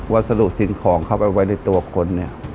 วัสดุสินของเข้าไปไว้ในตัวคน